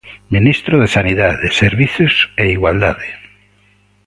Ministro de Sanidade, Servizos e Igualdade.